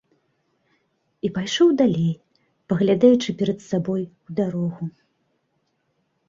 І пайшоў далей, паглядаючы перад сабой у дарогу.